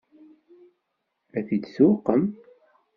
Ad t-id-tuqem?